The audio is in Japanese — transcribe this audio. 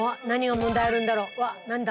何が問題あるんだろう？